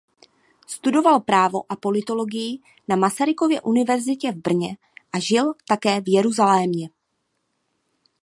Studoval právo a politologii na Masarykově univerzitě v Brně a žil také v Jeruzalémě.